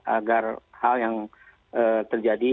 agar hal yang terjadi